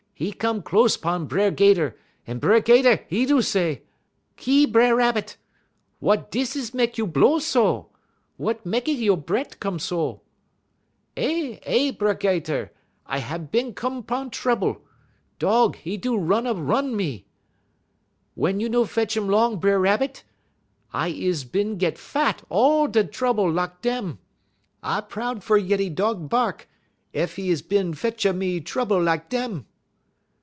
'E come close 'pon B'er 'Gater, en B'er 'Gater, 'e do say: "'Ki, B'er Rabbit! wut dis is mek you blow so? Wut mekky you' bre't' come so?' "'Eh eh! B'er 'Gater, I hab bin come 'pon trouble. Dog, 'e do run un a run me.' "'Wey you no fetch 'im 'long, B'er Rabbit? I is bin git fat on all da' trouble lak dem. I proud fer yeddy Dog bark, ef 'e is bin fetch a me trouble lak dem.'